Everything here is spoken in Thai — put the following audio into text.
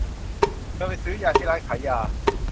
เธอไปซื้อยาที่ร้านขายยา